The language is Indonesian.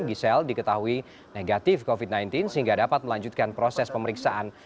giselle diketahui negatif covid sembilan belas sehingga dapat melanjutkan proses pemeriksaan